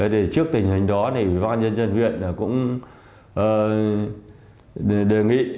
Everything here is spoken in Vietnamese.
trước tình hình đó văn dân dân huyện cũng đề nghị